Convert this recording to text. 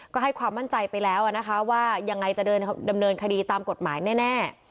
ก็ให้ความมั่นใจไปแล้วนะคะว่ายังไงจะเดินดำเนินคดีตามกฎหมายแน่